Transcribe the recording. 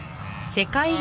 世界一